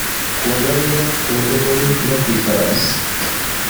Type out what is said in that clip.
ku ngamiya ku ndogobe no ku ifarasi